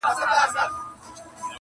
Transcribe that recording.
یو سړی وو یو یې سپی وو یو یې خروو؛